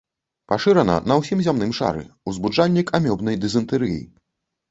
Пашырана на ўсім зямным шары, узбуджальнік амёбнай дызентэрыі.